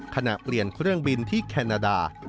ขณะเปลี่ยนเครื่องบินที่แคนาดา